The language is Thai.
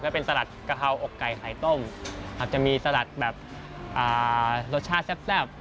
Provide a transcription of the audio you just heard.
เป็นสลัดกะเพราอกไก่ไข่ต้มอาจจะมีสลัดแบบรสชาติแซ่บ